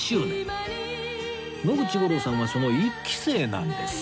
野口五郎さんはその１期生なんです